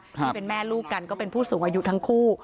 ที่เป็นแม่ลูกกันก็เป็นผู้สูงอายุทั้งคู่